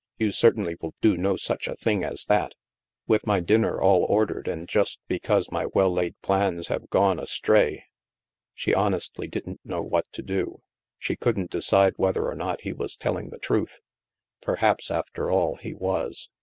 You certainly will not do such a thing as that ! With my dinner all ordered, and just because my well laid plans have gone astray !" She honestly didn't know what to do. She couldn't decide whether or not he was telling the THE MAELSTROM 187 truth. Perhaps, after all, he was.